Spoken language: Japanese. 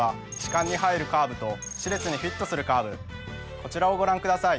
こちらをご覧ください